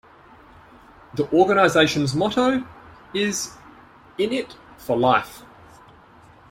The organisation's motto is 'In it for Life'.